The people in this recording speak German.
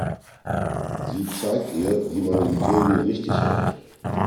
Sie zeigt ihr, wie man den Degen richtig hält.